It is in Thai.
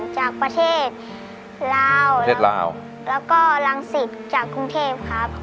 จากประเทศลาว